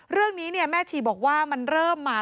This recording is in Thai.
เรื่องนี้แม่ชีบอกว่ามันเริ่มมา